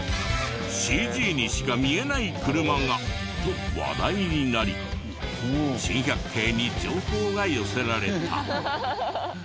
ＣＧにしか見えない車が！と話題になり『珍百景』に情報が寄せられた。